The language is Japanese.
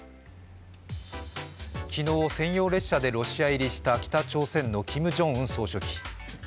昨日、専用列車でロシア入りした北朝鮮のキム・ジョンウン総書記。